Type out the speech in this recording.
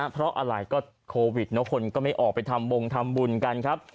เพราะอะไรก็โควิดเนอะคนก็ไม่ออกไปทำบงทำบุญกันครับ